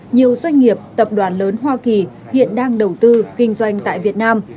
nhiều doanh nghiệp tập đoàn lớn hoa kỳ hiện đang đầu tư kinh doanh tại việt nam